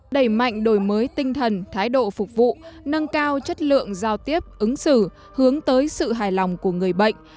đẩy mạnh đổi mới tinh thần thái độ phục vụ nâng cao chất lượng giao tiếp ứng xử hướng tới sự hài lòng của người bệnh